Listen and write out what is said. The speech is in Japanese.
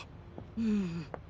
うん。